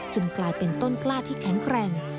กลายเป็นต้นกล้าที่แข็งแกร่ง